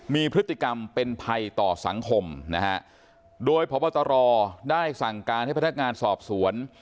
มีพฤติกรรมเป็นภัยต่อสังคมนะฮะโดยพบตรได้สั่งการให้พนักงานสอบสวน